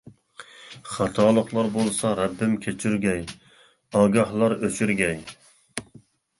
خاتالىقلار بولسا رەببىم كەچۈرگەي، ئاگاھلار ئۆچۈرگەي.